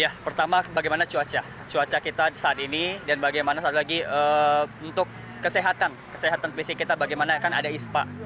ya pertama bagaimana cuaca cuaca kita saat ini dan bagaimana satu lagi untuk kesehatan kesehatan fisik kita bagaimana akan ada ispa